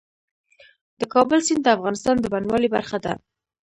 د کابل سیند د افغانستان د بڼوالۍ برخه ده.